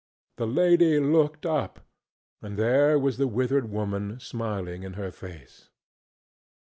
The lady looked up, and there was the withered woman smiling in her face.